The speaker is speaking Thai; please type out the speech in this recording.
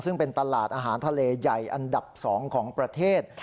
ซึ่งเป็นตลาดอาหารทะเลใหญ่อันดับ๒ของประเทศ